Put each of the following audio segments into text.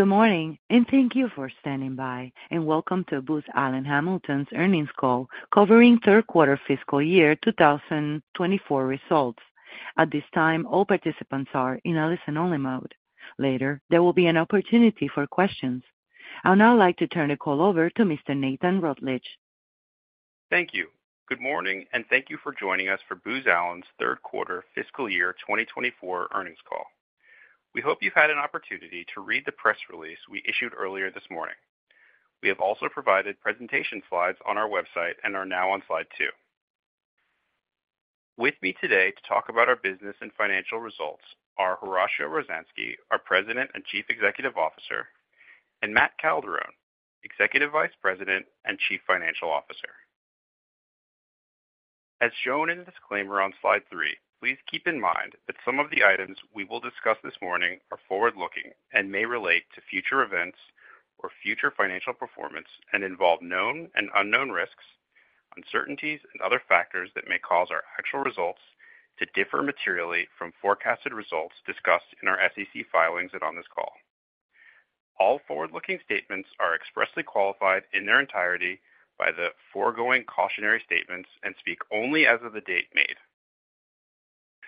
Good morning, and thank you for standing by, and welcome to Booz Allen Hamilton's Earnings Call Covering Third Quarter Fiscal Year 2024 results. At this time, all participants are in a listen-only mode. Later, there will be an opportunity for questions. I'd now like to turn the call over to Mr. Nathan Rutledge. Thank you. Good morning, and thank you for joining us for Booz Allen's third quarter fiscal year 2024 earnings call. We hope you've had an opportunity to read the press release we issued earlier this morning. We have also provided presentation slides on our website and are now on slide 2. With me today to talk about our business and financial results are Horacio Rozanski, our President and Chief Executive Officer, and Matt Calderone, Executive Vice President and Chief Financial Officer. As shown in the disclaimer on slide 3, please keep in mind that some of the items we will discuss this morning are forward-looking and may relate to future events or future financial performance and involve known and unknown risks, uncertainties, and other factors that may cause our actual results to differ materially from forecasted results discussed in our SEC filings and on this call. All forward-looking statements are expressly qualified in their entirety by the foregoing cautionary statements and speak only as of the date made.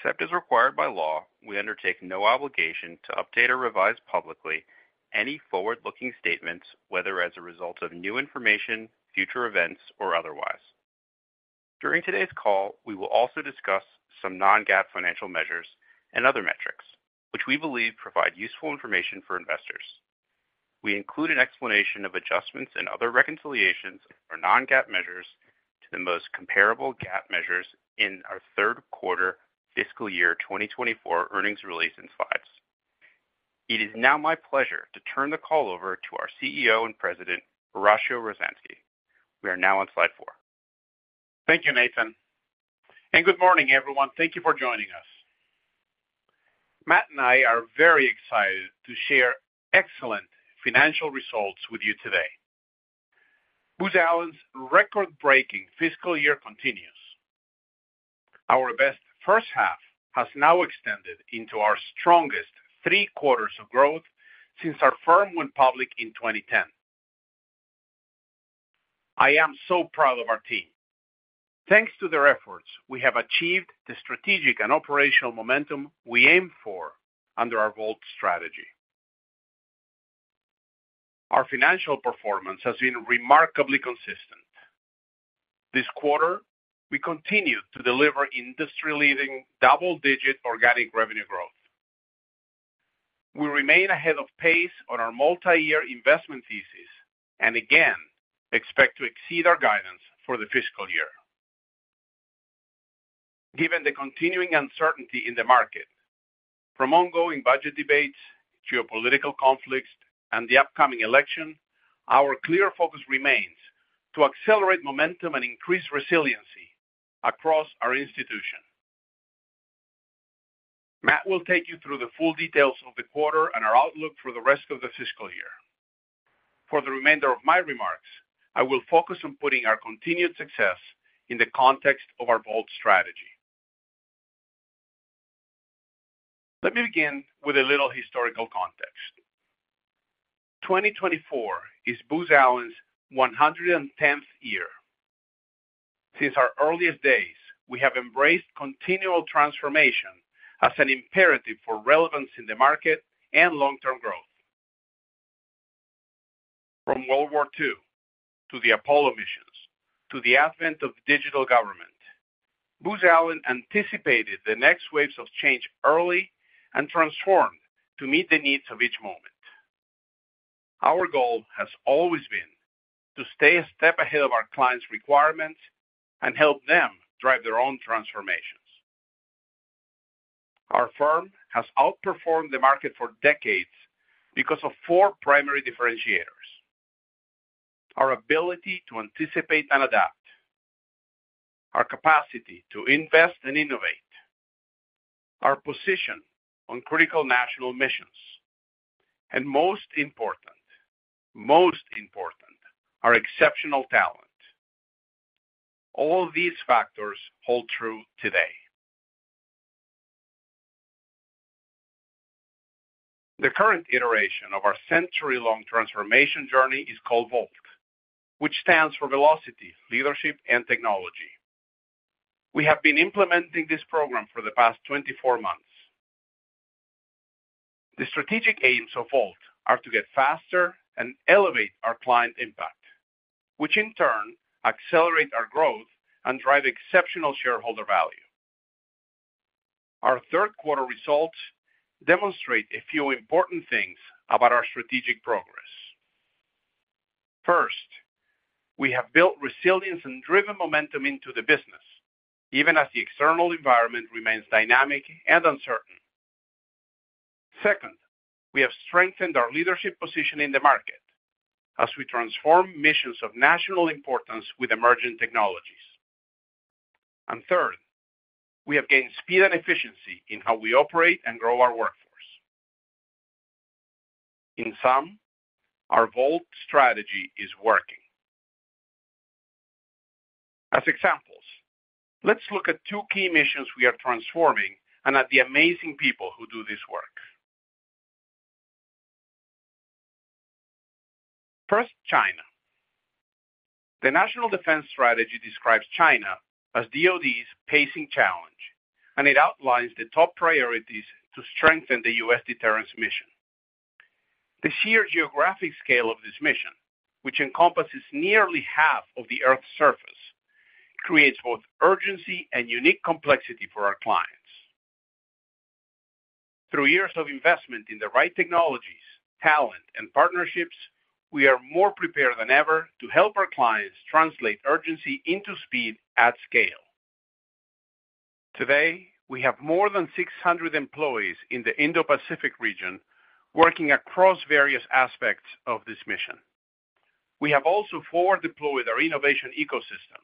Except as required by law, we undertake no obligation to update or revise publicly any forward-looking statements, whether as a result of new information, future events, or otherwise. During today's call, we will also discuss some non-GAAP financial measures and other metrics, which we believe provide useful information for investors. We include an explanation of adjustments and other reconciliations for non-GAAP measures to the most comparable GAAP measures in our third quarter fiscal year 2024 earnings release and slides. It is now my pleasure to turn the call over to our CEO and President, Horacio Rozanski. We are now on slide 4. Thank you, Nathan, and good morning, everyone. Thank you for joining us. Matt and I are very excited to share excellent financial results with you today. Booz Allen's record-breaking fiscal year continues. Our best first half has now extended into our strongest three quarters of growth since our firm went public in 2010. I am so proud of our team. Thanks to their efforts, we have achieved the strategic and operational momentum we aim for under our VoLT strategy. Our financial performance has been remarkably consistent. This quarter, we continued to deliver industry-leading double-digit organic revenue growth. We remain ahead of pace on our multi-year investment thesis and again expect to exceed our guidance for the fiscal year. Given the continuing uncertainty in the market, from ongoing budget debates, geopolitical conflicts, and the upcoming election, our clear focus remains to accelerate momentum and increase resiliency across our institution. Matt will take you through the full details of the quarter and our outlook for the rest of the fiscal year. For the remainder of my remarks, I will focus on putting our continued success in the context of our VoLT strategy. Let me begin with a little historical context. 2024 is Booz Allen's 110th year. Since our earliest days, we have embraced continual transformation as an imperative for relevance in the market and long-term growth. From World War II to the Apollo missions to the advent of digital government, Booz Allen anticipated the next waves of change early and transformed to meet the needs of each moment. Our goal has always been to stay a step ahead of our clients' requirements and help them drive their own transformations. Our firm has outperformed the market for decades because of four primary differentiators: our ability to anticipate and adapt, our capacity to invest and innovate, our position on critical national missions, and most important, most important, our exceptional talent. All these factors hold true today. The current iteration of our century-long transformation journey is called VoLT, which stands for Velocity, Leadership, and Technology. We have been implementing this program for the past 24 months. The strategic aims of VoLT are to get faster and elevate our client impact, which in turn accelerate our growth and drive exceptional shareholder value. Our third quarter results demonstrate a few important things about our strategic progress. First, we have built resilience and driven momentum into the business, even as the external environment remains dynamic and uncertain. Second, we have strengthened our leadership position in the market as we transform missions of national importance with emerging technologies. And third, we have gained speed and efficiency in how we operate and grow our workforce. In sum, our VoLT strategy is working. As examples, let's look at two key missions we are transforming and at the amazing people who do this work. First, China. The National Defense Strategy describes China as DoD's pacing challenge, and it outlines the top priorities to strengthen the U.S. deterrence mission. The sheer geographic scale of this mission, which encompasses nearly half of the Earth's surface, creates both urgency and unique complexity for our clients. Through years of investment in the right technologies, talent, and partnerships, we are more prepared than ever to help our clients translate urgency into speed at scale. Today, we have more than 600 employees in the Indo-Pacific region working across various aspects of this mission. We have also forward deployed our innovation ecosystem.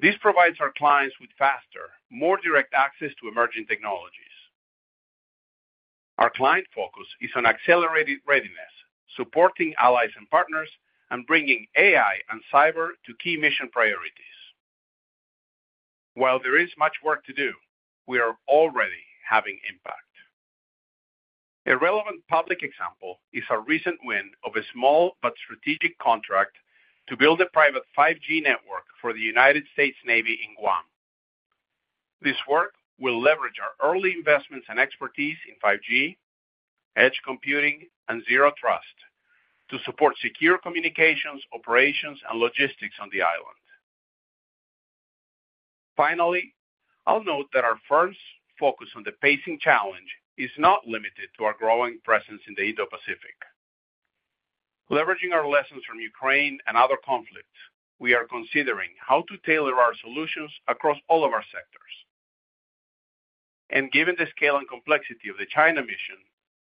This provides our clients with faster, more direct access to emerging technologies. Our client focus is on accelerated readiness, supporting allies and partners, and bringing AI and cyber to key mission priorities. While there is much work to do, we are already having impact. A relevant public example is our recent win of a small but strategic contract to build a private 5G network for the United States Navy in Guam. This work will leverage our early investments and expertise in 5G, edge computing, and zero trust to support secure communications, operations, and logistics on the island. Finally, I'll note that our first focus on the pacing challenge is not limited to our growing presence in the Indo-Pacific. Leveraging our lessons from Ukraine and other conflicts, we are considering how to tailor our solutions across all of our sectors. Given the scale and complexity of the China mission,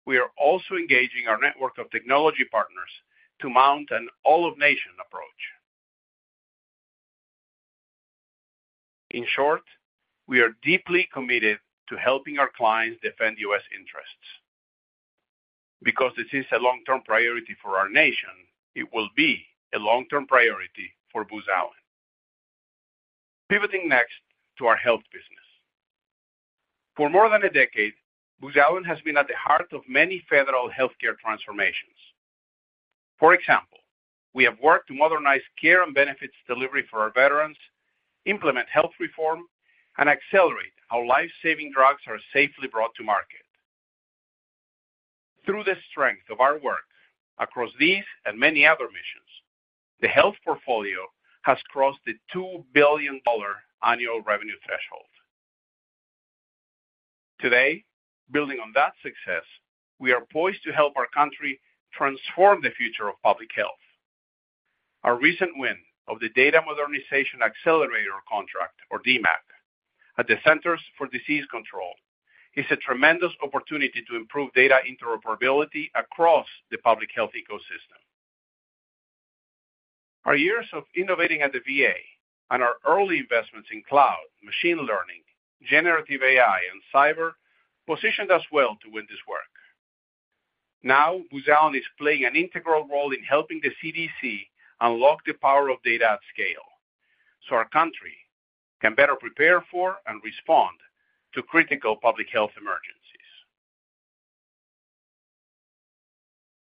we are also engaging our network of technology partners to mount an all-of-nation approach. In short, we are deeply committed to helping our clients defend U.S. interests. Because this is a long-term priority for our nation, it will be a long-term priority for Booz Allen. Pivoting next to our health business. For more than a decade, Booz Allen has been at the heart of many federal healthcare transformations. For example, we have worked to modernize care and benefits delivery for our veterans, implement health reform, and accelerate how life-saving drugs are safely brought to market. Through the strength of our work across these and many other missions, the health portfolio has crossed the $2 billion annual revenue threshold. Today, building on that success, we are poised to help our country transform the future of public health. Our recent win of the Data Modernization Accelerator contract, or DMAC, at the Centers for Disease Control, is a tremendous opportunity to improve data interoperability across the public health ecosystem. Our years of innovating at the VA and our early investments in cloud, machine learning, generative AI, and cyber positioned us well to win this work. Now, Booz Allen is playing an integral role in helping the CDC unlock the power of data at scale, so our country can better prepare for and respond to critical public health emergencies.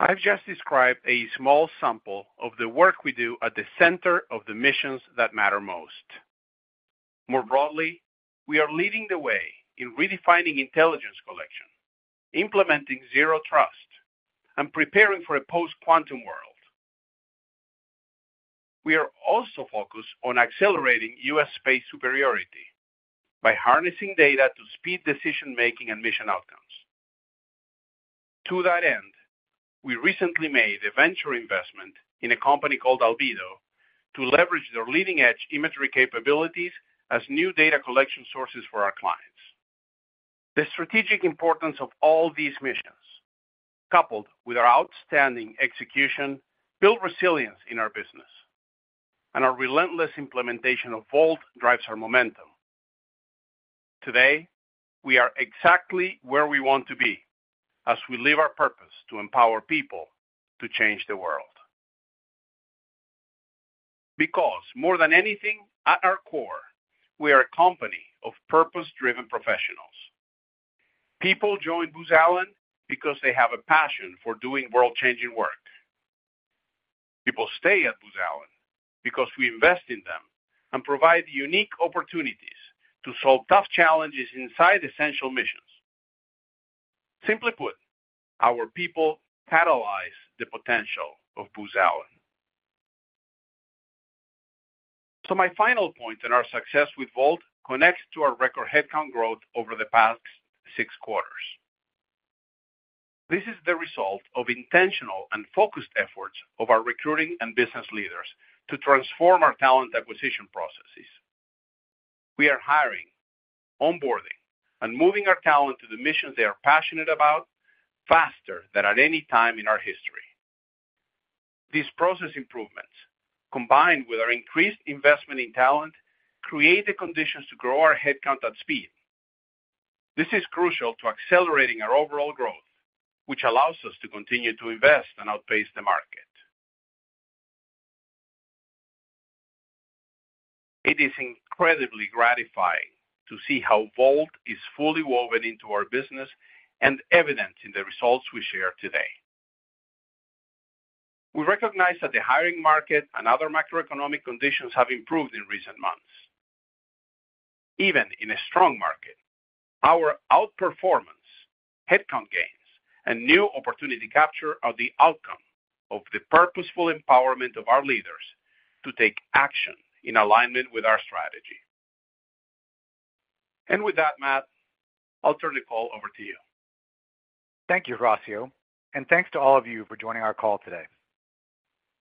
I've just described a small sample of the work we do at the center of the missions that matter most. More broadly, we are leading the way in redefining intelligence collection, implementing zero trust, and preparing for a post-quantum world. We are also focused on accelerating U.S. space superiority by harnessing data to speed decision-making and mission outcomes. To that end, we recently made a venture investment in a company called Albedo to leverage their leading-edge imagery capabilities as new data collection sources for our clients. The strategic importance of all these missions, coupled with our outstanding execution, build resilience in our business, and our relentless implementation of VoLT drives our momentum. Today, we are exactly where we want to be as we live our purpose to empower people to change the world. Because more than anything, at our core, we are a company of purpose-driven professionals. People join Booz Allen because they have a passion for doing world-changing work. People stay at Booz Allen because we invest in them and provide unique opportunities to solve tough challenges inside essential missions. Simply put, our people catalyze the potential of Booz Allen. So my final point in our success with VoLT connects to our record headcount growth over the past six quarters. This is the result of intentional and focused efforts of our recruiting and business leaders to transform our talent acquisition processes. We are hiring, onboarding, and moving our talent to the missions they are passionate about faster than at any time in our history. These process improvements, combined with our increased investment in talent, create the conditions to grow our headcount at speed. This is crucial to accelerating our overall growth, which allows us to continue to invest and outpace the market. It is incredibly gratifying to see how VoLT is fully woven into our business and evident in the results we share today. We recognize that the hiring market and other macroeconomic conditions have improved in recent months. Even in a strong market, our outperformance, headcount gains, and new opportunity capture are the outcome of the purposeful empowerment of our leaders to take action in alignment with our strategy. And with that, Matt, I'll turn the call over to you. Thank you, Horacio, and thanks to all of you for joining our call today.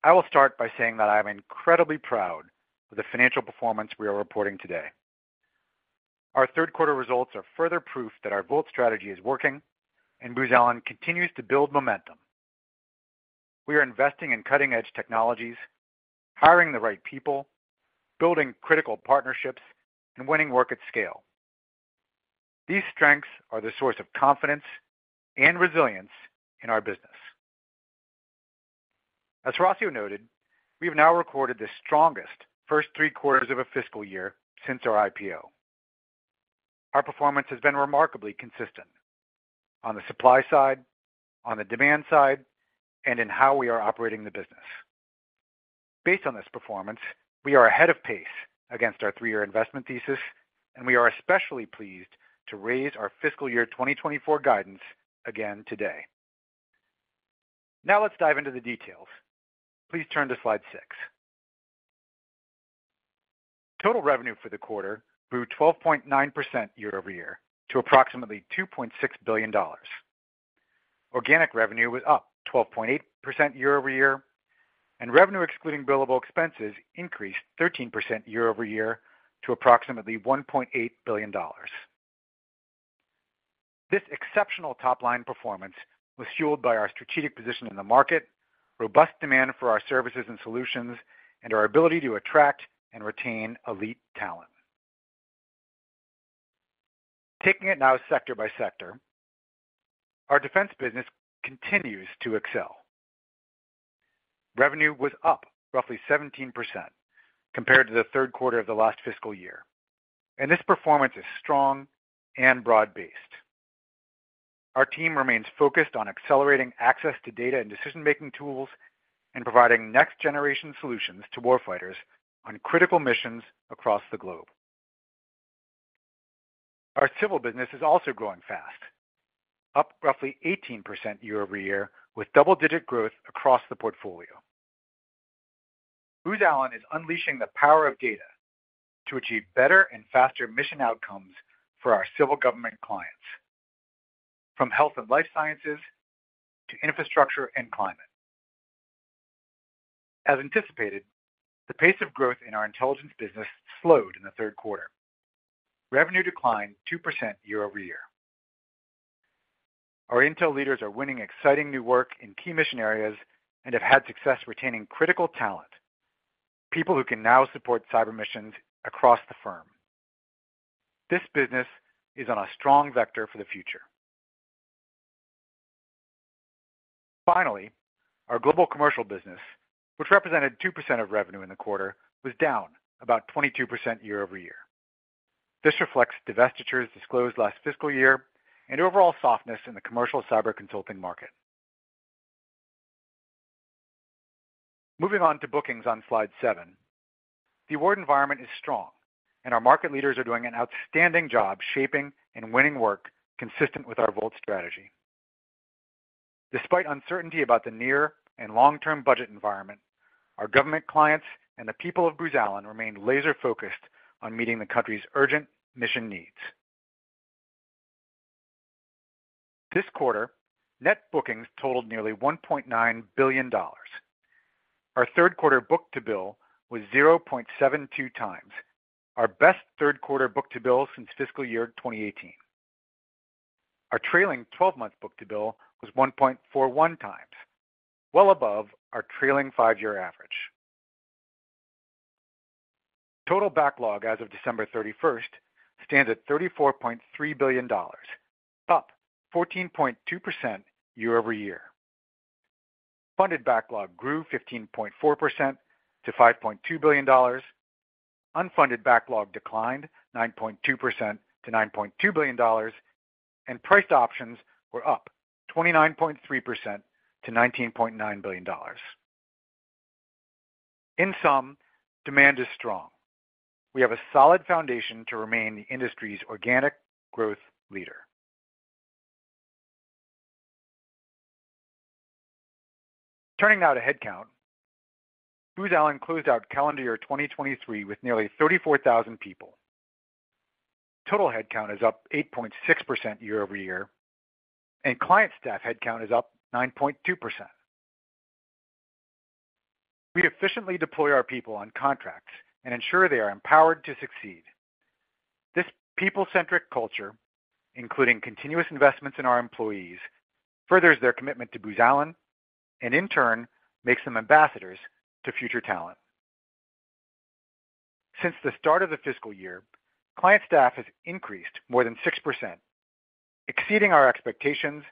I will start by saying that I am incredibly proud of the financial performance we are reporting today. Our third quarter results are further proof that our VoLT strategy is working, and Booz Allen continues to build momentum. We are investing in cutting-edge technologies, hiring the right people, building critical partnerships, and winning work at scale. These strengths are the source of confidence and resilience in our business. As Horacio noted, we've now recorded the strongest first three quarters of a fiscal year since our IPO. Our performance has been remarkably consistent on the supply side, on the demand side, and in how we are operating the business. Based on this performance, we are ahead of pace against our 3-year investment thesis, and we are especially pleased to raise our fiscal year 2024 guidance again today. Now, let's dive into the details. Please turn to slide 6. Total revenue for the quarter grew 12.9% year-over-year to approximately $2.6 billion. Organic revenue was up 12.8% year-over-year, and revenue excluding billable expenses increased 13% year-over-year to approximately $1.8 billion. This exceptional top-line performance was fueled by our strategic position in the market, robust demand for our services and solutions, and our ability to attract and retain elite talent. Taking it now sector by sector, our defense business continues to excel. Revenue was up roughly 17% compared to the third quarter of the last fiscal year, and this performance is strong and broad-based. Our team remains focused on accelerating access to data and decision-making tools and providing next-generation solutions to warfighters on critical missions across the globe. Our civil business is also growing fast, up roughly 18% year-over-year, with double-digit growth across the portfolio. Booz Allen is unleashing the power of data to achieve better and faster mission outcomes for our civil government clients, from health and life sciences to infrastructure and climate. As anticipated, the pace of growth in our intelligence business slowed in the third quarter. Revenue declined 2% year-over-year. Our intel leaders are winning exciting new work in key mission areas and have had success retaining critical talent, people who can now support cyber missions across the firm. This business is on a strong vector for the future. Finally, our global commercial business, which represented 2% of revenue in the quarter, was down about 22% year-over-year. This reflects divestitures disclosed last fiscal year and overall softness in the commercial cyber consulting market. Moving on to bookings on slide seven. The award environment is strong, and our market leaders are doing an outstanding job shaping and winning work consistent with our VoLT strategy. Despite uncertainty about the near and long-term budget environment, our government clients and the people of Booz Allen remain laser-focused on meeting the country's urgent mission needs. This quarter, net bookings totaled nearly $1.9 billion. Our third quarter book-to-bill was 0.72x, our best third quarter book-to-bill since fiscal year 2018. Our trailing twelve-month book-to-bill was 1.41x, well above our trailing five-year average. Total backlog as of December 31 stands at $34.3 billion, up 14.2% year-over-year. Funded backlog grew 15.4% to $5.2 billion. Unfunded backlog declined 9.2% to $9.2 billion, and priced options were up 29.3% to $19.9 billion. In sum, demand is strong. We have a solid foundation to remain the industry's organic growth leader. Turning now to headcount. Booz Allen closed out calendar year 2023 with nearly 34,000 people. Total headcount is up 8.6% year-over-year, and client staff headcount is up 9.2%. We efficiently deploy our people on contracts and ensure they are empowered to succeed. This people-centric culture, including continuous investments in our employees, furthers their commitment to Booz Allen and, in turn, makes them ambassadors to future talent... Since the start of the fiscal year, client staff has increased more than 6%, exceeding our expectations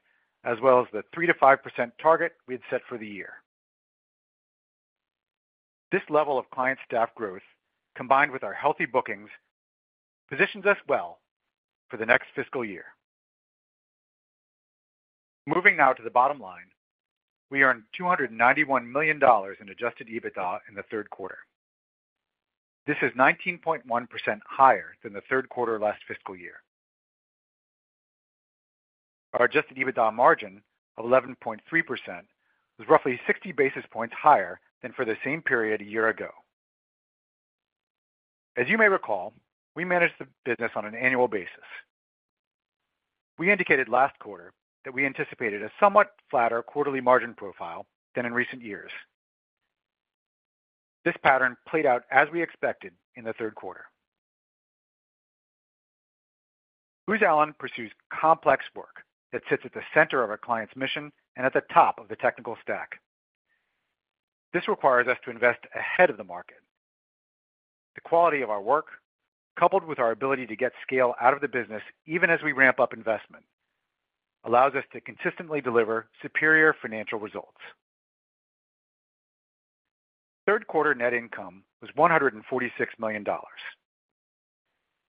as well as the 3%-5% target we had set for the year. This level of client staff growth, combined with our healthy bookings, positions us well for the next fiscal year. Moving now to the bottom line, we earned $291 million in adjusted EBITDA in the third quarter. This is 19.1% higher than the third quarter last fiscal year. Our adjusted EBITDA margin of 11.3% was roughly 60 basis points higher than for the same period a year ago. As you may recall, we managed the business on an annual basis. We indicated last quarter that we anticipated a somewhat flatter quarterly margin profile than in recent years. This pattern played out as we expected in the third quarter. Booz Allen pursues complex work that sits at the center of our client's mission and at the top of the technical stack. This requires us to invest ahead of the market. The quality of our work, coupled with our ability to get scale out of the business, even as we ramp up investment, allows us to consistently deliver superior financial results. Third quarter net income was $146 million.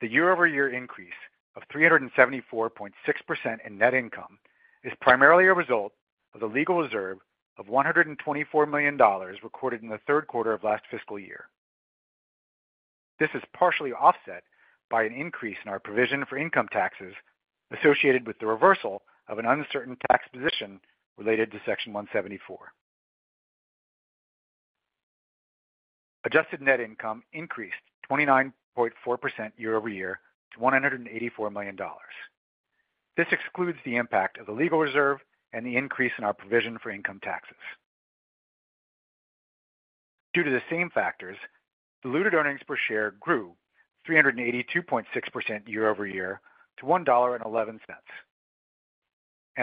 The year-over-year increase of 374.6% in net income is primarily a result of the legal reserve of $124 million recorded in the third quarter of last fiscal year. This is partially offset by an increase in our provision for income taxes associated with the reversal of an uncertain tax position related to Section 174. Adjusted net income increased 29.4% year-over-year to $184 million. This excludes the impact of the legal reserve and the increase in our provision for income taxes. Due to the same factors, diluted earnings per share grew 382.6% year-over-year to $1.11.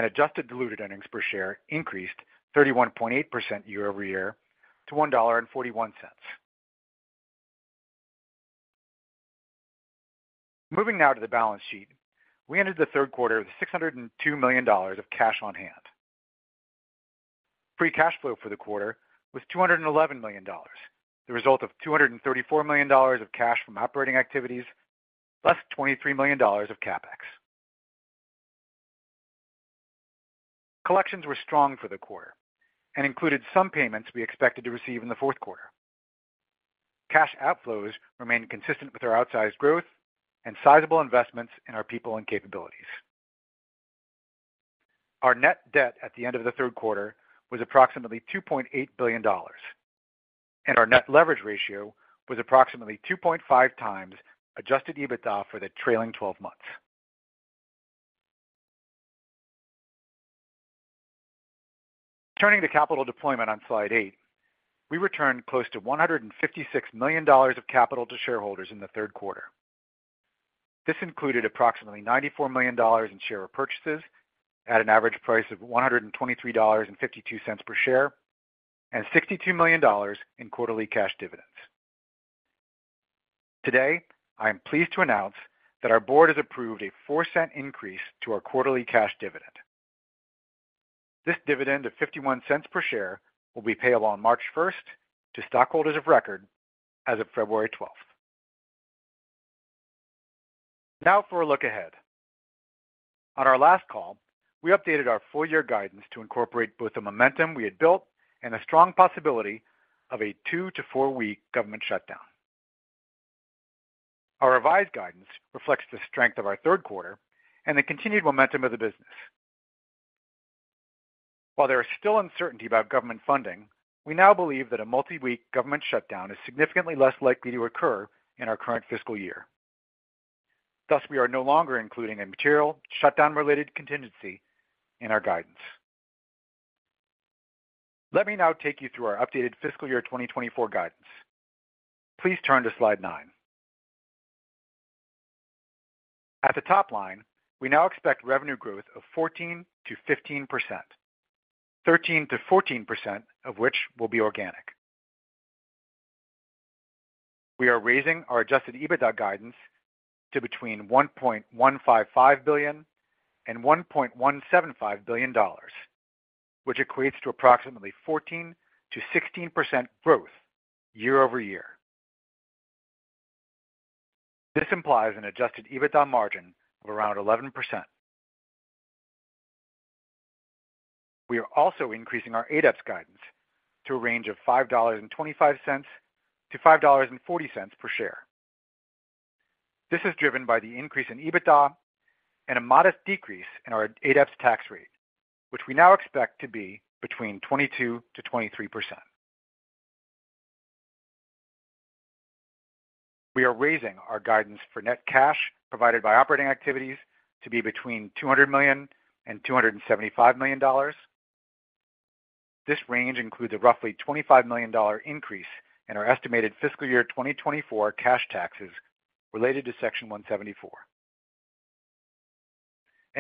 Adjusted diluted earnings per share increased 31.8% year-over-year to $1.41. Moving now to the balance sheet. We entered the third quarter with $602 million of cash on hand. Free cash flow for the quarter was $211 million, the result of $234 million of cash from operating activities, plus $23 million of CapEx. Collections were strong for the quarter and included some payments we expected to receive in the fourth quarter. Cash outflows remained consistent with our outsized growth and sizable investments in our people and capabilities. Our net debt at the end of the third quarter was approximately $2.8 billion, and our net leverage ratio was approximately 2.5x Adjusted EBITDA for the trailing twelve months. Turning to capital deployment on slide 8, we returned close to $156 million of capital to shareholders in the third quarter. This included approximately $94 million in share repurchases at an average price of $123.52 per share, and $62 million in quarterly cash dividends. Today, I am pleased to announce that our board has approved a 4-cent increase to our quarterly cash dividend. This dividend of $0.51 per share will be payable on March first to stockholders of record as of February twelfth. Now for a look ahead. On our last call, we updated our full-year guidance to incorporate both the momentum we had built and a strong possibility of a two to four-week government shutdown. Our revised guidance reflects the strength of our third quarter and the continued momentum of the business. While there is still uncertainty about government funding, we now believe that a multi-week government shutdown is significantly less likely to occur in our current fiscal year. Thus, we are no longer including a material shutdown-related contingency in our guidance. Let me now take you through our updated fiscal year 2024 guidance. Please turn to slide 9. At the top line, we now expect revenue growth of 14%-15%, 13%-14% of which will be organic. We are raising our adjusted EBITDA guidance to between $1.155 billion-$1.175 billion, which equates to approximately 14%-16% growth year-over-year. This implies an adjusted EBITDA margin of around 11%. We are also increasing our ADEPS guidance to a range of $5.25-$5.40 per share. This is driven by the increase in EBITDA and a modest decrease in our adjusted tax rate, which we now expect to be between 22%-23%. We are raising our guidance for net cash provided by operating activities to be between $200 million-$275 million. This range includes a roughly $25 million increase in our estimated fiscal year 2024 cash taxes related to Section 174.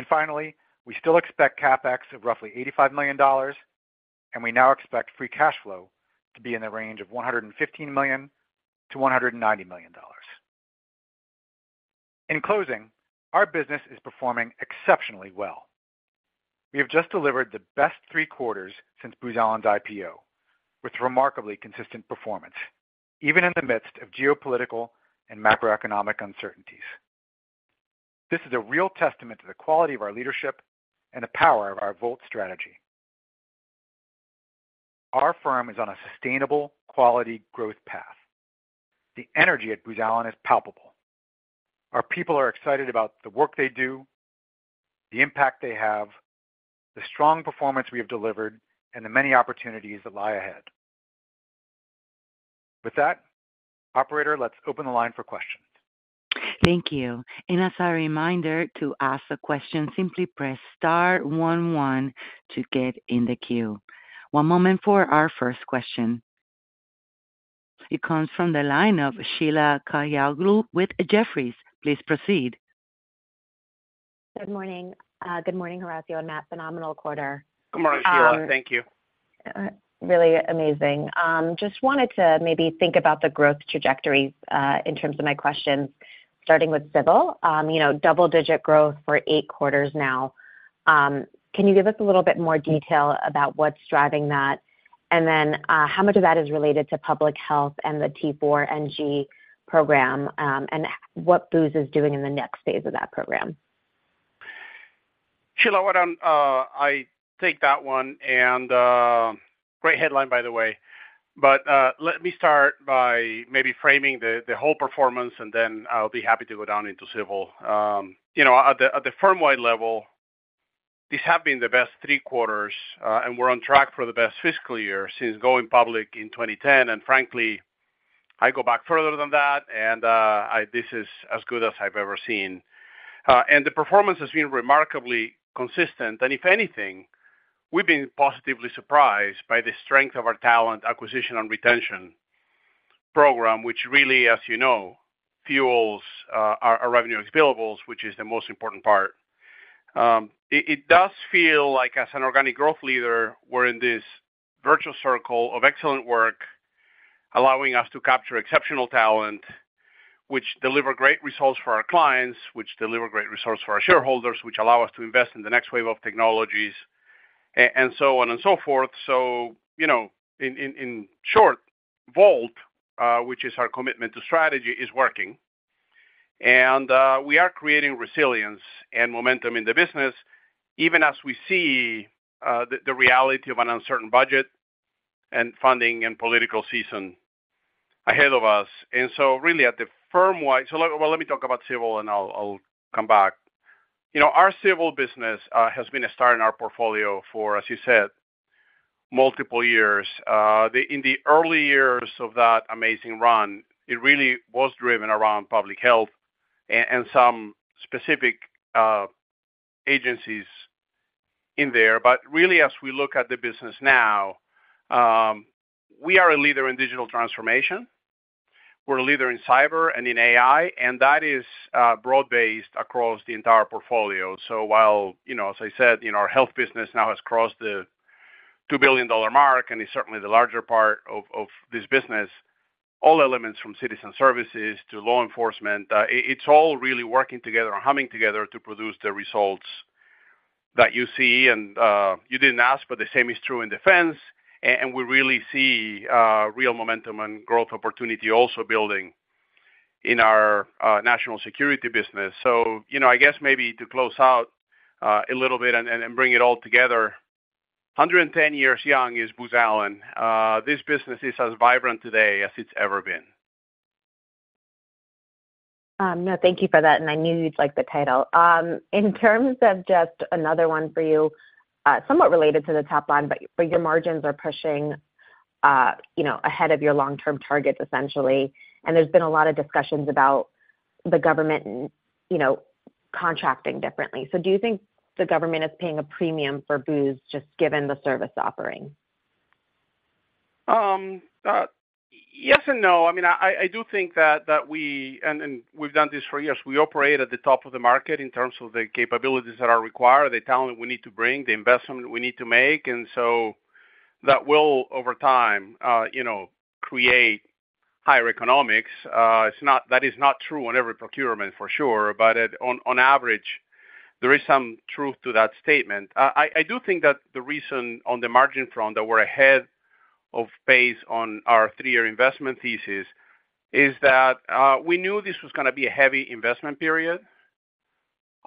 Finally, we still expect CapEx of roughly $85 million, and we now expect free cash flow to be in the range of $115 million-$190 million. In closing, our business is performing exceptionally well. We have just delivered the best three quarters since Booz Allen's IPO, with remarkably consistent performance, even in the midst of geopolitical and macroeconomic uncertainties. This is a real testament to the quality of our leadership and the power of our VoLT strategy. Our firm is on a sustainable quality growth path. The energy at Booz Allen is palpable. Our people are excited about the work they do, the impact they have, the strong performance we have delivered, and the many opportunities that lie ahead. With that, operator, let's open the line for questions. Thank you. And as a reminder to ask a question, simply press star one, one, to get in the queue. One moment for our first question. It comes from the line of Sheila Kahyaoglu with Jefferies. Please proceed. Good morning. Good morning, Horacio and Matt. Phenomenal quarter. Good morning, Sheila. Thank you. Really amazing. Just wanted to maybe think about the growth trajectories, in terms of my questions, starting with Civil. You know, double-digit growth for eight quarters now. Can you give us a little bit more detail about what's driving that? And then, how much of that is related to public health and the T4NG program, and what Booz is doing in the next phase of that program? Sheila, what on... I take that one, and, great headline, by the way. But, let me start by maybe framing the, the whole performance, and then I'll be happy to go down into Civil. You know, at the, at the firm-wide level, these have been the best three quarters, and we're on track for the best fiscal year since going public in 2010, and frankly, I go back further than that, and, this is as good as I've ever seen. And the performance has been remarkably consistent, and if anything, we've been positively surprised by the strength of our talent acquisition and retention program, which really, as you know, fuels, our, our revenue and billables, which is the most important part. It does feel like as an organic growth leader, we're in this virtuous circle of excellent work, allowing us to capture exceptional talent, which deliver great results for our clients, which deliver great results for our shareholders, which allow us to invest in the next wave of technologies, and so on and so forth. So, you know, in short, VoLT, which is our commitment to strategy, is working, and we are creating resilience and momentum in the business, even as we see the reality of an uncertain budget and funding and political season ahead of us. And so really, at the firm-wide... Well, let me talk about Civil, and I'll come back. You know, our Civil business has been a star in our portfolio for, as you said, multiple years. In the early years of that amazing run, it really was driven around public health and some specific agencies in there. But really, as we look at the business now, we are a leader in digital transformation. We're a leader in cyber and in AI, and that is broad-based across the entire portfolio. So while, you know, as I said, you know, our health business now has crossed the $2 billion mark and is certainly the larger part of this business, all elements, from citizen services to law enforcement, it’s all really working together and humming together to produce the results that you see. And you didn't ask, but the same is true in defense, and we really see real momentum and growth opportunity also building in our national security business. So, you know, I guess maybe to close out, a little bit and bring it all together, 110 years young is Booz Allen. This business is as vibrant today as it's ever been. No, thank you for that, and I knew you'd like the title. In terms of just another one for you, somewhat related to the top line, but your margins are pushing, you know, ahead of your long-term targets, essentially, and there's been a lot of discussions about the government and, you know, contracting differently. So do you think the government is paying a premium for Booz, just given the service offering? Yes and no. I mean, I do think that we... And we've done this for years. We operate at the top of the market in terms of the capabilities that are required, the talent we need to bring, the investment we need to make, and so that will, over time, you know, create higher economics. It's not. That is not true on every procurement, for sure, but on average, there is some truth to that statement. I do think that the reason on the margin front that we're ahead of pace on our three-year investment thesis is that, we knew this was gonna be a heavy investment period.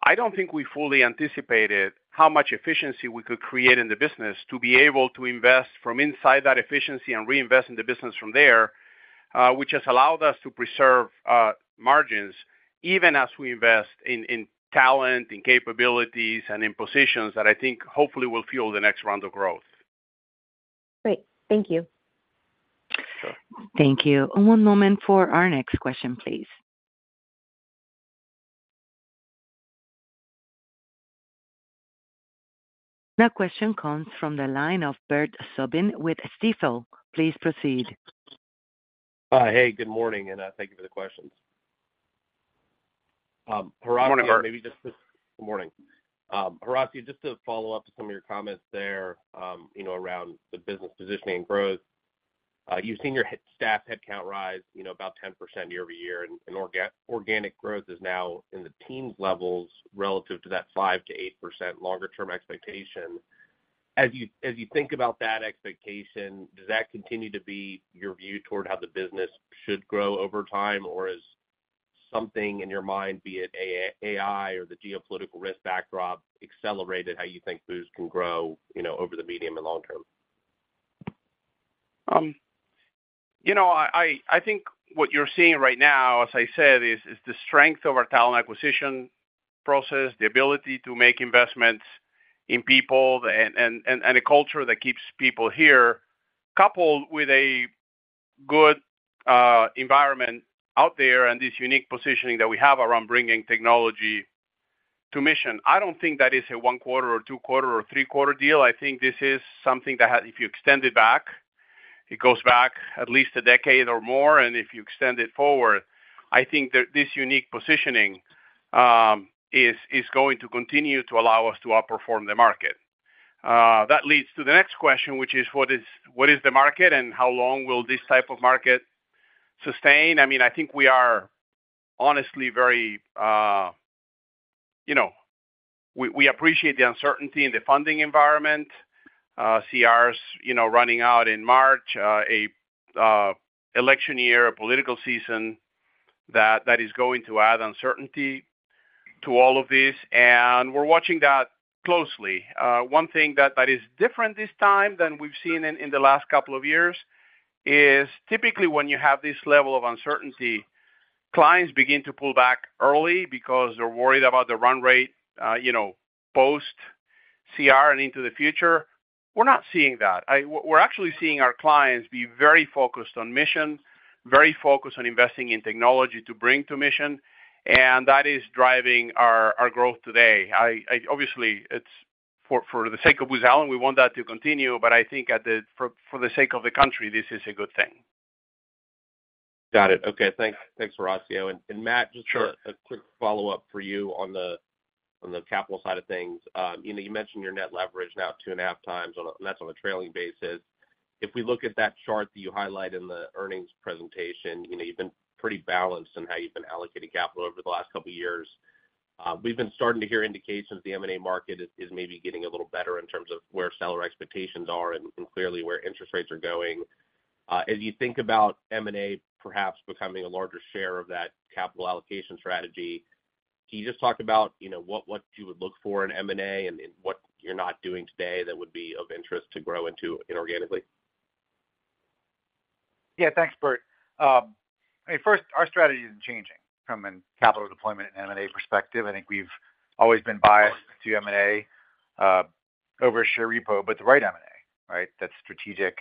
I don't think we fully anticipated how much efficiency we could create in the business to be able to invest from inside that efficiency and reinvest in the business from there, which has allowed us to preserve margins, even as we invest in talent, in capabilities and in positions that I think hopefully will fuel the next round of growth. Great. Thank you. Sure. Thank you. One moment for our next question, please. The question comes from the line of Bert Subin with Stifel. Please proceed. Hi. Hey, good morning, and thank you for the questions. Horacio- Good morning, Bert. Good morning. Horacio, just to follow up to some of your comments there, you know, around the business positioning growth. You've seen your headcount rise, you know, about 10% year-over-year, and organic growth is now in the teens levels relative to that 5%-8% longer term expectation. As you think about that expectation, does that continue to be your view toward how the business should grow over time, or is something in your mind, be it AI or the geopolitical risk backdrop, accelerated how you think Booz can grow, you know, over the medium and long term? You know, I think what you're seeing right now, as I said, is the strength of our talent acquisition process, the ability to make investments in people and a culture that keeps people here, coupled with a good environment out there and this unique positioning that we have around bringing technology to mission. I don't think that is a one quarter or two quarter or three-quarter deal. I think this is something that if you extend it back, it goes back at least a decade or more, and if you extend it forward, I think that this unique positioning is going to continue to allow us to outperform the market. That leads to the next question, which is what is the market and how long will this type of market sustain? I mean, I think we are honestly very, you know, we, we appreciate the uncertainty in the funding environment, CRs, you know, running out in March, a election year, a political season, that, that is going to add uncertainty to all of this, and we're watching that closely. One thing that, that is different this time than we've seen in, in the last couple of years, is typically when you have this level of uncertainty, clients begin to pull back early because they're worried about the run rate, you know, post CR and into the future. We're not seeing that. We're actually seeing our clients be very focused on mission, very focused on investing in technology to bring to mission, and that is driving our, our growth today. I obviously, it's for the sake of Booz Allen, we want that to continue, but I think, for the sake of the country, this is a good thing. Got it. Okay, thanks. Thanks, Horacio. And, Matt, just a quick follow-up for you on the capital side of things. You know, you mentioned your net leverage now 2.5x, and that's on a trailing basis. If we look at that chart that you highlight in the earnings presentation, you know, you've been pretty balanced in how you've been allocating capital over the last couple of years. We've been starting to hear indications the M&A market is maybe getting a little better in terms of where seller expectations are and clearly where interest rates are going. As you think about M&A perhaps becoming a larger share of that capital allocation strategy, can you just talk about, you know, what you would look for in M&A and what you're not doing today that would be of interest to grow into inorganically? Yeah. Thanks, Bert. I mean, first, our strategy is changing from a capital deployment and M&A perspective. I think we've always been biased to M&A over share repo, but the right M&A, right? That's strategic,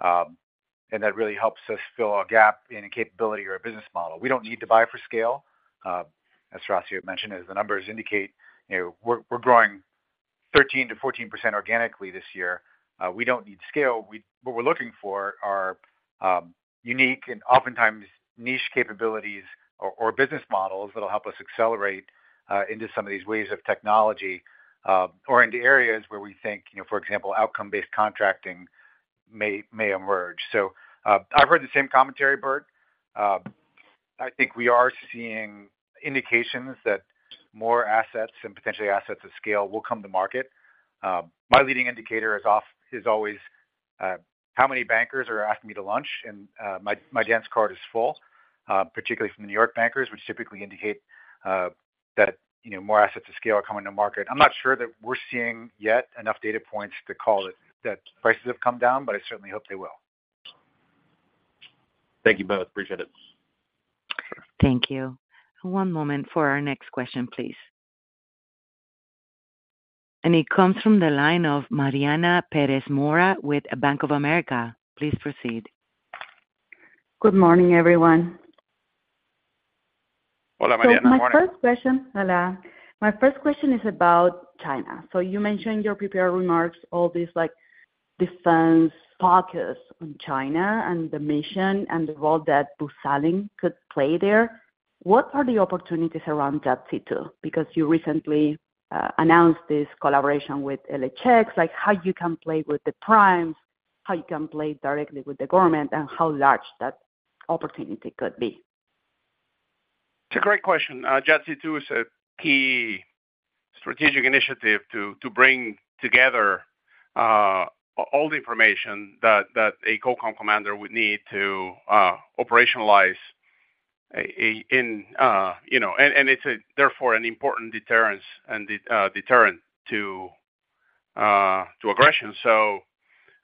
and that really helps us fill a gap in a capability or a business model. We don't need to buy for scale. As Horacio mentioned, as the numbers indicate, you know, we're growing 13%-14% organically this year. We don't need scale. What we're looking for are unique and oftentimes niche capabilities or business models that will help us accelerate into some of these waves of technology or into areas where we think, you know, for example, outcome-based contracting may emerge. So, I've heard the same commentary, Bert. I think we are seeing indications that more assets and potentially assets of scale will come to market. My leading indicator is always how many bankers are asking me to lunch, and my dance card is full, particularly from the New York bankers, which typically indicate that, you know, more assets of scale are coming to market. I'm not sure that we're seeing yet enough data points to call it, that prices have come down, but I certainly hope they will. Thank you both. Appreciate it. Thank you. One moment for our next question, please. And it comes from the line of Mariana Pérez Mora with Bank of America. Please proceed. Good morning, everyone. Hola, Mariana. Good morning. So my first question—Hola. My first question is about China. So you mentioned your prepared remarks, all these like defense pockets on China and the mission and the role that Booz Allen could play there. What are the opportunities around JADC2? Because you recently announced this collaboration with LHX, like, how you can play with the primes, how you can play directly with the government, and how large that opportunity could be. It's a great question. JADC2 is a key strategic initiative to bring together all the information that a co-commander would need to operationalize a in you know. It's therefore an important deterrence and deterrent to aggression. So,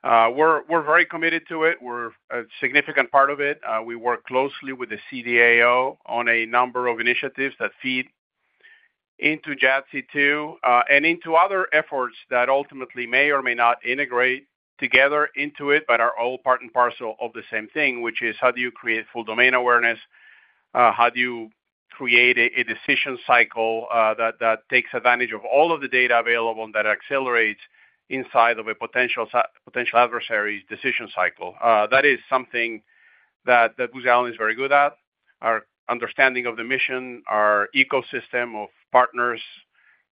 we're very committed to it. We're a significant part of it. We work closely with the CDAO on a number of initiatives that feed into JADC2 and into other efforts that ultimately may or may not integrate together into it, but are all part and parcel of the same thing, which is how do you create full domain awareness? How do you create a decision cycle that takes advantage of all of the data available and that accelerates inside of a potential adversary's decision cycle. That is something that Booz Allen is very good at. Our understanding of the mission, our ecosystem of partners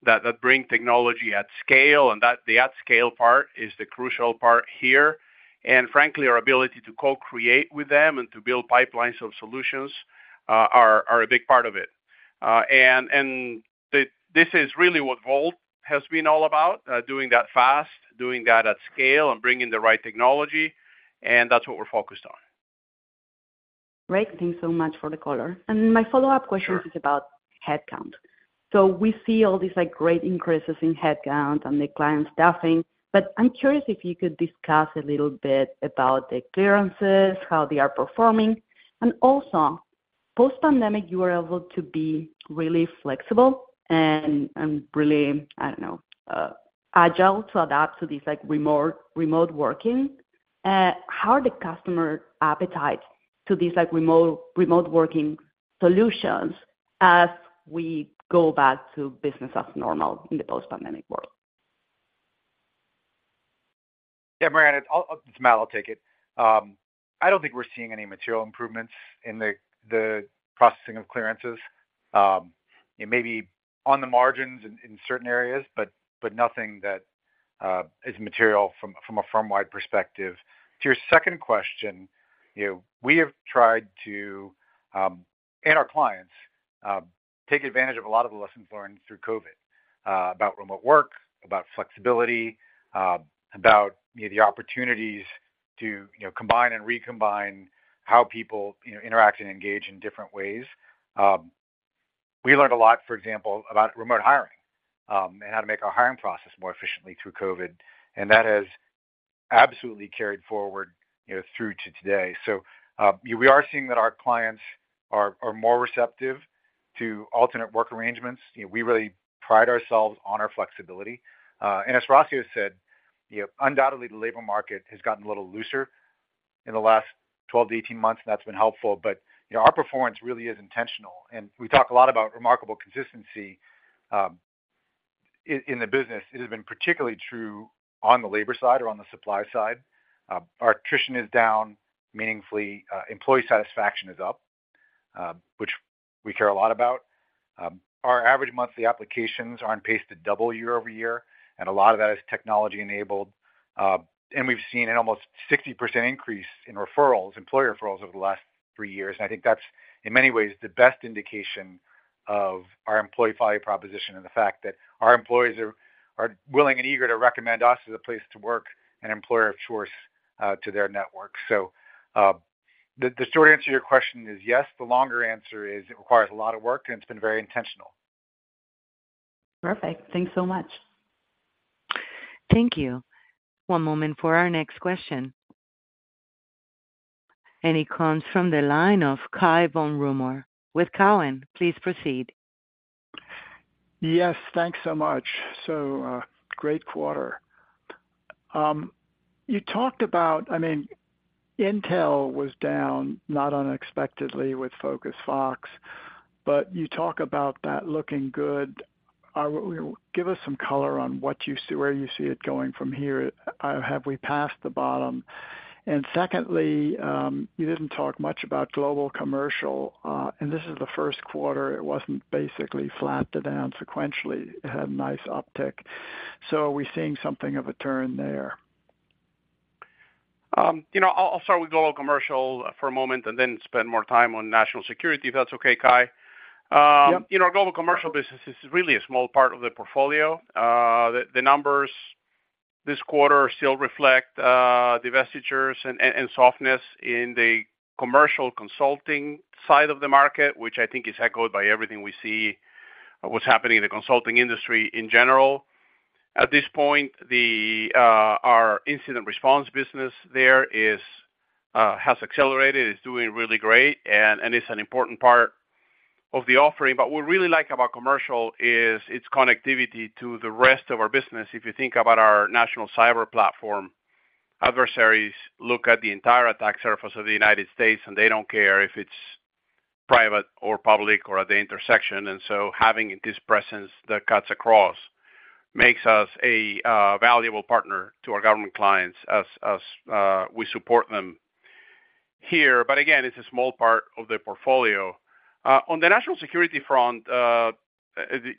that bring technology at scale, and the at scale part is the crucial part here. And frankly, our ability to co-create with them and to build pipelines of solutions are a big part of it. And this is really what Vault has been all about, doing that fast, doing that at scale, and bringing the right technology, and that's what we're focused on. Great, thanks so much for the color. And my follow-up question- Sure. -is about headcount. So we see all these, like, great increases in headcount and the client staffing, but I'm curious if you could discuss a little bit about the clearances, how they are performing, and also, post-pandemic, you were able to be really flexible and, really, agile to adapt to these, like, remote, remote working. How are the customer appetite to these, like, remote, remote working solutions as we go back to business as normal in the post-pandemic world? Yeah, Mariana, it's, it's Matt, I'll take it. I don't think we're seeing any material improvements in the processing of clearances. It may be on the margins in certain areas, but nothing that is material from a firm-wide perspective. To your second question, you know, we have tried to, and our clients, take advantage of a lot of the lessons learned through COVID, about remote work, about flexibility, about the opportunities to, you know, combine and recombine how people, you know, interact and engage in different ways. We learned a lot, for example, about remote hiring, and how to make our hiring process more efficiently through COVID, and that has absolutely carried forward, you know, through to today. So, we are seeing that our clients are more receptive to alternate work arrangements. You know, we really pride ourselves on our flexibility. As Horacio said, you know, undoubtedly, the labor market has gotten a little looser in the last 12-18 months, and that's been helpful, but, you know, our performance really is intentional. We talk a lot about remarkable consistency in the business. It has been particularly true on the labor side or on the supply side. Our attrition is down meaningfully, employee satisfaction is up, which we care a lot about. Our average monthly applications are on pace to double year-over-year, and a lot of that is technology-enabled. We've seen an almost 60% increase in referrals, employee referrals, over the last three years. I think that's, in many ways, the best indication of our employee value proposition and the fact that our employees are willing and eager to recommend us as a place to work and employer of choice, to their network. The short answer to your question is yes. The longer answer is, it requires a lot of work, and it's been very intentional. Perfect. Thanks so much. Thank you. One moment for our next question. It comes from the line of Cai von Rumohr with Cowen. Please proceed. Yes, thanks so much. So, great quarter. You talked about—I mean, Intel was down, not unexpectedly, with FocusFox, but you talk about that looking good. Give us some color on what you see, where you see it going from here, have we passed the bottom? And secondly, you didn't talk much about global commercial, and this is the first quarter. It wasn't basically flat to down sequentially, it had a nice uptick. So are we seeing something of a turn there? You know, I'll start with global commercial for a moment and then spend more time on national security, if that's okay, Cai. Yep. You know, our global commercial business is really a small part of the portfolio. The numbers this quarter still reflect divestitures and softness in the commercial consulting side of the market, which I think is echoed by everything we see, what's happening in the consulting industry in general. At this point, our incident response business there has accelerated, is doing really great, and it's an important part of the offering. But what we really like about commercial is its connectivity to the rest of our business. If you think about our national cyber platform, adversaries look at the entire attack surface of the United States, and they don't care if it's private or public or at the intersection, and so having this presence that cuts across makes us a valuable partner to our government clients as we support them here. But again, it's a small part of the portfolio. On the national security front,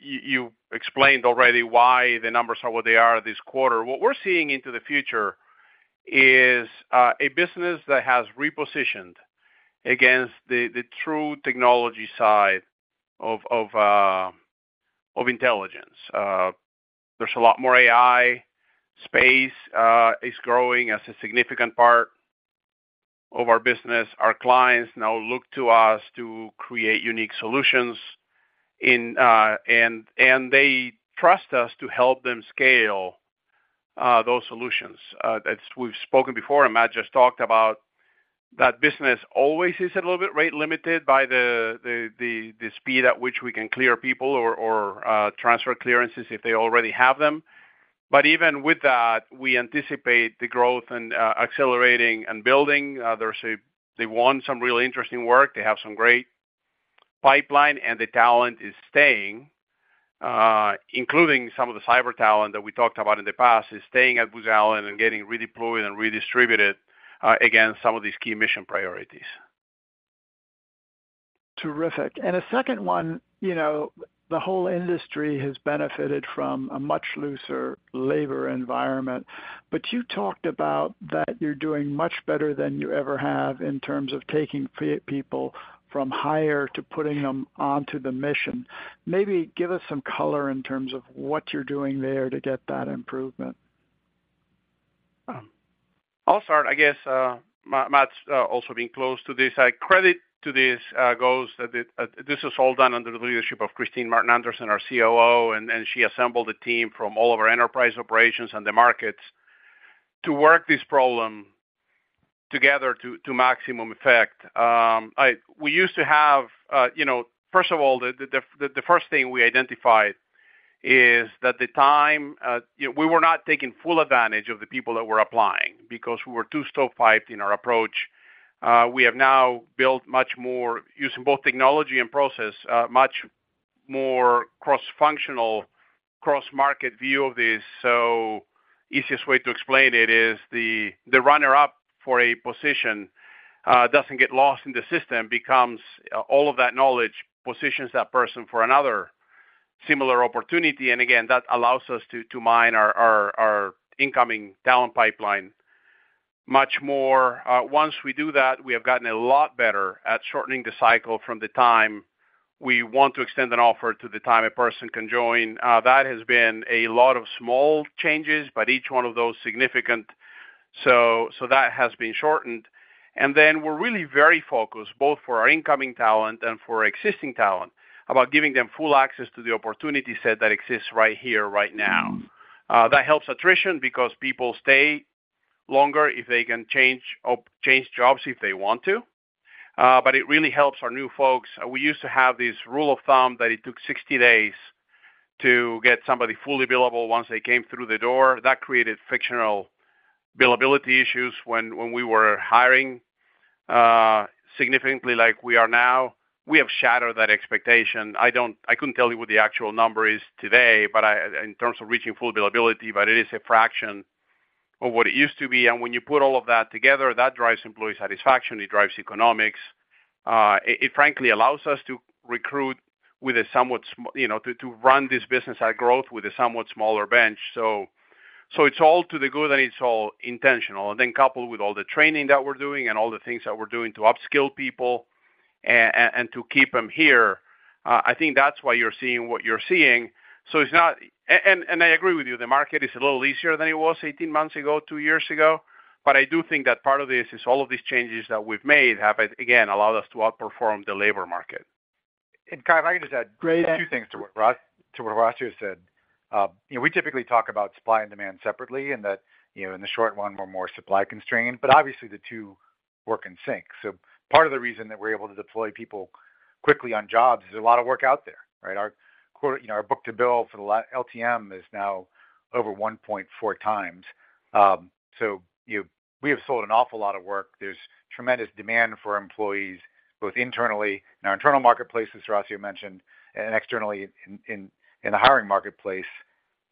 you explained already why the numbers are what they are this quarter. What we're seeing into the future is a business that has repositioned against the true technology side of intelligence. There's a lot more AI, space is growing as a significant part of our business. Our clients now look to us to create unique solutions in... And they trust us to help them scale those solutions. As we've spoken before, and Matt just talked about, that business always is a little bit rate limited by the speed at which we can clear people or transfer clearances if they already have them. But even with that, we anticipate the growth and accelerating and building. They won some really interesting work. They have some great pipeline, and the talent is staying, including some of the cyber talent that we talked about in the past, is staying at Booz Allen and getting redeployed and redistributed against some of these key mission priorities. Terrific. And a second one, you know, the whole industry has benefited from a much looser labor environment, but you talked about that you're doing much better than you ever have in terms of taking people from hire to putting them onto the mission. Maybe give us some color in terms of what you're doing there to get that improvement? I'll start, I guess, Matt's also being close to this. The credit for this goes to the leadership of Kristine Martin Anderson, our COO, and she assembled a team from all of our enterprise operations and the markets to work this problem together to maximum effect. We used to have, you know, first of all, the first thing we identified is that the time. You know, we were not taking full advantage of the people that were applying because we were too stovepiped in our approach. We have now built much more, using both technology and process, much more cross-functional, cross-market view of this. So easiest way to explain it is, the runner-up for a position doesn't get lost in the system, becomes, all of that knowledge positions that person for another similar opportunity. And again, that allows us to mine our incoming talent pipeline much more. Once we do that, we have gotten a lot better at shortening the cycle from the time we want to extend an offer to the time a person can join. That has been a lot of small changes, but each one of those significant, so that has been shortened. And then we're really very focused, both for our incoming talent and for our existing talent, about giving them full access to the opportunity set that exists right here, right now. That helps attrition because people stay longer if they can change jobs if they want to. But it really helps our new folks. We used to have this rule of thumb that it took 60 days to get somebody fully billable once they came through the door. That created fictional billability issues when we were hiring significantly like we are now. We have shattered that expectation. I couldn't tell you what the actual number is today, but in terms of reaching full billability, it is a fraction of what it used to be. And when you put all of that together, that drives employee satisfaction, it drives economics. It frankly allows us to recruit with a somewhat smaller, you know, to run this business at growth with a somewhat smaller bench. So it's all to the good, and it's all intentional. And then coupled with all the training that we're doing and all the things that we're doing to upskill people and to keep them here, I think that's why you're seeing what you're seeing. So it's not. And I agree with you, the market is a little easier than it was 18 months ago, two years ago, but I do think that part of this is all of these changes that we've made have, again, allowed us to outperform the labor market. And, Cai, if I can just add- Great-... a few things to what Rozanski said. You know, we typically talk about supply and demand separately, and that, you know, in the short run, we're more supply constrained, but obviously, the two work in sync. So part of the reason that we're able to deploy people quickly on jobs is there's a lot of work out there, right? Our quote, you know, our book-to-bill for the LTM is now over 1.4x. So, we have sold an awful lot of work. There's tremendous demand for employees, both internally, in our internal marketplace, as Rozanski mentioned, and externally in the hiring marketplace.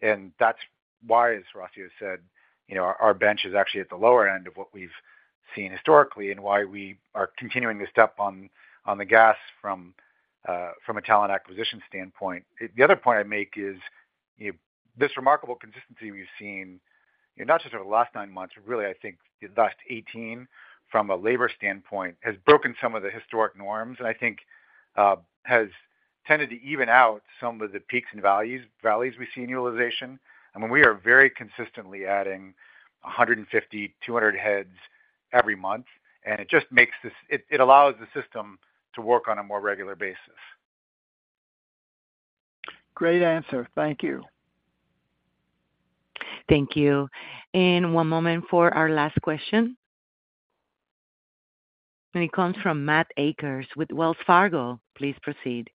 That's why, as Horacio said, you know, our bench is actually at the lower end of what we've seen historically and why we are continuing to step on the gas from a talent acquisition standpoint. The other point I make is, you know, this remarkable consistency we've seen, you know, not just over the last nine months, really, I think the last 18 from a labor standpoint, has broken some of the historic norms. And I think has tended to even out some of the peaks and valleys we see in utilization. I mean, we are very consistently adding 150-200 heads every month, and it just allows the system to work on a more regular basis. Great answer. Thank you. Thank you. One moment for our last question. It comes from Matt Akers with Wells Fargo. Please proceed.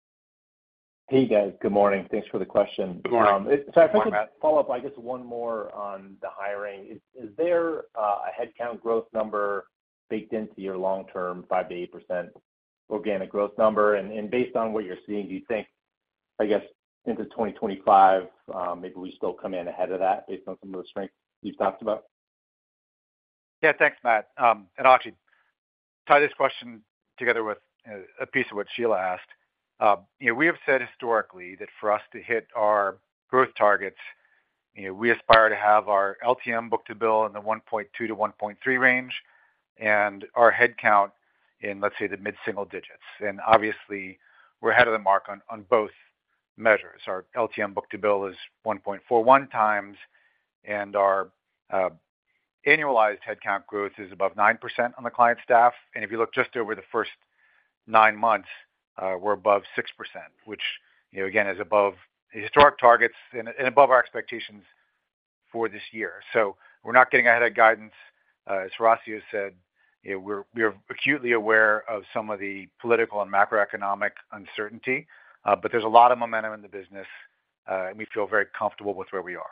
Hey, guys. Good morning. Thanks for the question. Good morning, Matt. If I could follow up, I guess, one more on the hiring. Is there a headcount growth number baked into your long-term 5%-8% organic growth number? And based on what you're seeing, do you think, I guess, into 2025, maybe we still come in ahead of that based on some of the strength you've talked about? Yeah. Thanks, Matt. And actually, tie this question together with a piece of what Sheila asked. You know, we have said historically that for us to hit our growth targets, you know, we aspire to have our LTM book-to-bill in the 1.2-1.3 range, and our headcount in, let's say, the mid-single digits. And obviously, we're ahead of the mark on both measures. Our LTM book-to-bill is 1.41x, and our annualized headcount growth is above 9% on the client staff. And if you look just over the first nine months, we're above 6%, which, you know, again, is above the historic targets and above our expectations for this year. So we're not getting ahead of guidance. As Horacio said, we-... Yeah, we're acutely aware of some of the political and macroeconomic uncertainty, but there's a lot of momentum in the business, and we feel very comfortable with where we are.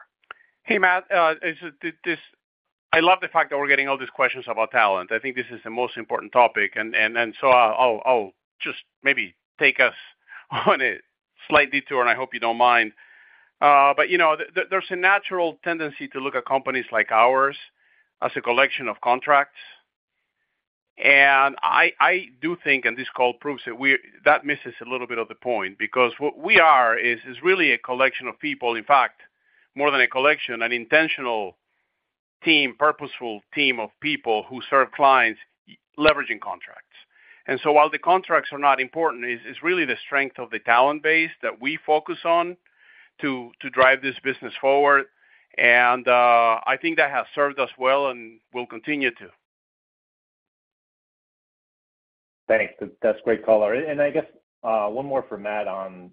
Hey, Matt, I love the fact that we're getting all these questions about talent. I think this is the most important topic, and so I'll just maybe take us on a slight detour, and I hope you don't mind. But you know, there's a natural tendency to look at companies like ours as a collection of contracts. And I do think, and this call proves it, that misses a little bit of the point because what we are is really a collection of people, in fact, more than a collection, an intentional team, purposeful team of people who serve clients leveraging contracts. And so while the contracts are not important, it's really the strength of the talent base that we focus on to drive this business forward. And, I think that has served us well and will continue to. Thanks. That's a great call. And I guess one more for Matt on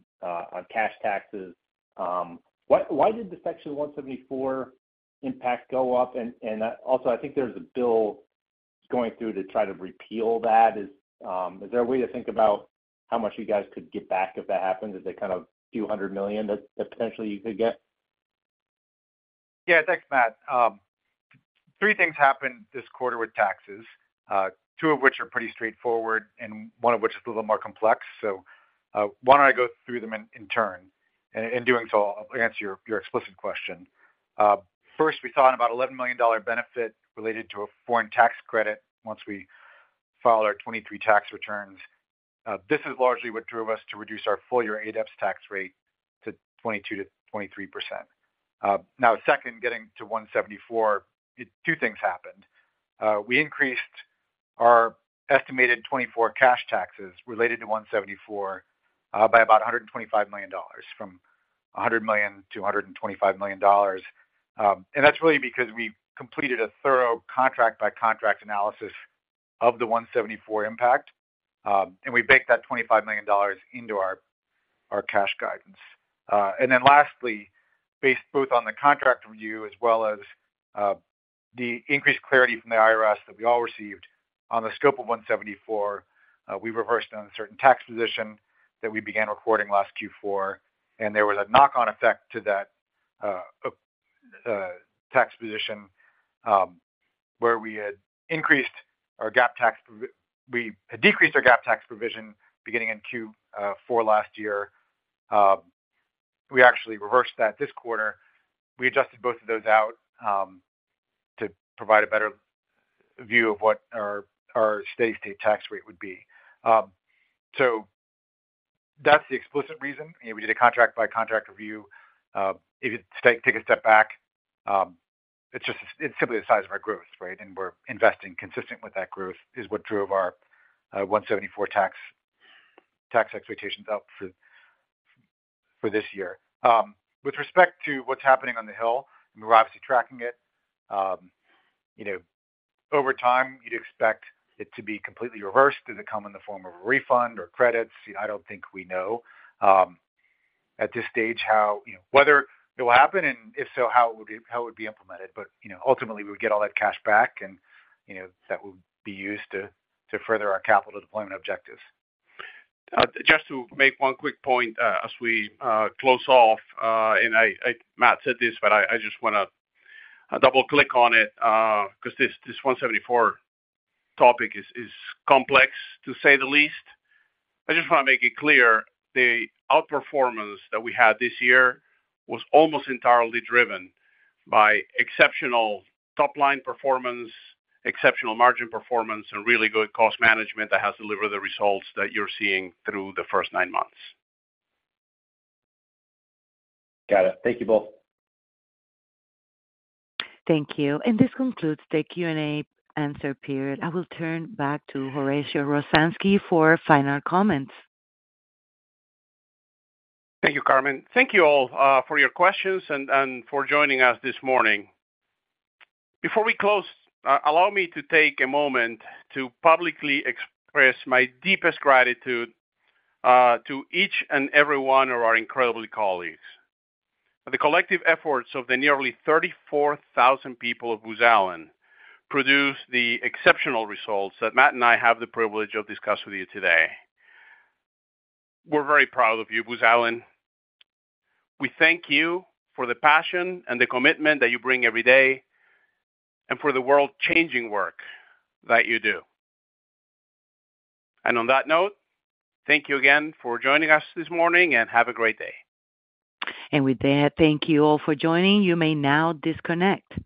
cash taxes. Why did the Section 174 impact go up? And also, I think there's a bill going through to try to repeal that. Is there a way to think about how much you guys could get back if that happens? Is it kind of $ a few hundred million that potentially you could get? Yeah. Thanks, Matt. Three things happened this quarter with taxes, two of which are pretty straightforward and one of which is a little more complex. So, why don't I go through them in turn, and in doing so, I'll answer your explicit question. First, we saw about $11 million benefit related to a foreign tax credit once we filed our 2023 tax returns. This is largely what drove us to reduce our full-year ADEPS tax rate to 22%-23%. Now, second, getting to Section 174, two things happened. We increased our estimated 2024 cash taxes related to Section 174 by about $125 million, from $100 million to $125 million. And that's really because we completed a thorough contract by contract analysis of the 174 impact, and we baked that $25 million into our cash guidance. And then lastly, based both on the contract review as well as the increased clarity from the IRS that we all received on the scope of 174, we reversed on a certain tax position that we began recording last Q4, and there was a knock-on effect to that tax position, where we had increased our GAAP tax pro-- we had decreased our GAAP tax provision beginning in Q4 last year. We actually reversed that this quarter. We adjusted both of those out, to provide a better view of what our steady-state tax rate would be. So that's the explicit reason. We did a contract by contract review. If you take, take a step back, it's just, it's simply the size of our growth, right? And we're investing consistent with that growth, is what drove our, 174 tax, tax expectations up for, for this year. With respect to what's happening on the Hill, and we're obviously tracking it, you know, over time, you'd expect it to be completely reversed. Does it come in the form of a refund or credits? I don't think we know, at this stage, how, you know, whether it will happen, and if so, how it would be, how it would be implemented. But, you know, ultimately, we would get all that cash back and, you know, that would be used to, to further our capital deployment objectives. Just to make one quick point, as we close off, and Matt said this, but I just wanna double-click on it, 'cause this 174 topic is complex, to say the least. I just wanna make it clear the outperformance that we had this year was almost entirely driven by exceptional top-line performance, exceptional margin performance, and really good cost management that has delivered the results that you're seeing through the first nine months. Got it. Thank you both. Thank you. This concludes the Q&A answer period. I will turn back to Horacio Rozanski for final comments. Thank you, Carmen. Thank you all for your questions and for joining us this morning. Before we close, allow me to take a moment to publicly express my deepest gratitude to each and every one of our incredible colleagues. The collective efforts of the nearly 34,000 people of Booz Allen produced the exceptional results that Matt and I have the privilege of discussing with you today. We're very proud of you, Booz Allen. We thank you for the passion and the commitment that you bring every day and for the world-changing work that you do. And on that note, thank you again for joining us this morning, and have a great day. With that, thank you all for joining. You may now disconnect.